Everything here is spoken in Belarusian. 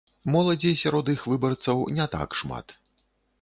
Моладзі сярод іх выбарцаў не так шмат.